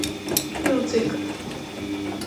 用這個